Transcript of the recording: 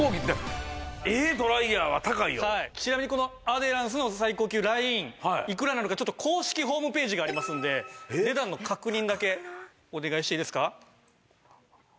ちなみにこのアデランスの最高級ラインいくらなのかちょっと公式ホームページがありますので値段の確認だけお願いしていいですか？